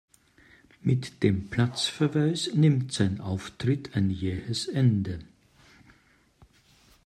Mit dem Platzverweis nimmt sein Auftritt ein jähes Ende.